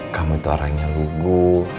kamu itu orang yang lugu